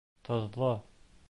Тоҙло